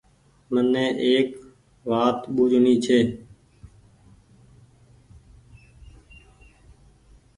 مني ايڪ وآت ٻوجڻي هيتي